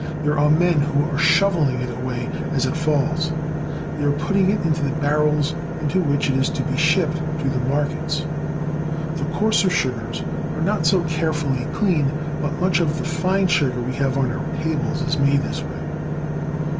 There are men who are shovehng it away as it falls. They are putting it into the barrels in which it is to be shipped to the markets. The coarser sugars are not so carefully cleaned, but much of the fine sugar we have on our tables is made in this way.